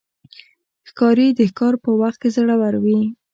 ښکاري د ښکار په وخت کې زړور وي.